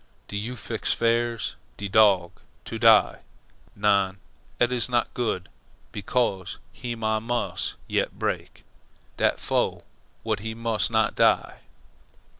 "Do you fix firs' de dog. To die? NON. Eet is not good. Becos' heem Ah mus' yet break. Dat fo' w'at he mus' not die."